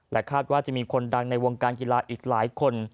คาดว่าจะมีคนดังในวงการกีฬาอีกหลายคน